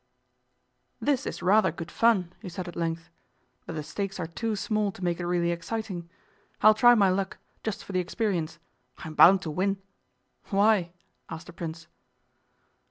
'This is rather good fun,' he said at length, 'but the stakes are too small to make it really exciting. I'll try my luck, just for the experience. I'm bound to win.' 'Why?' asked the Prince.